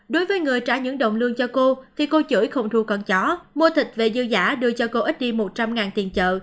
đối với người trả những đồng lương cho cô thì cô chửi không thu con chó mua thịt về dư giã đưa cho cô ít đi một trăm linh ngàn tiền chợ